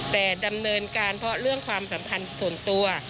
แต่ดำเนินการเพราะเรื่องความสัมพันธ์ส่วนตัว